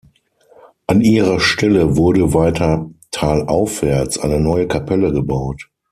An ihrer Stelle wurde weiter talaufwärts eine neue Kapelle gebaut.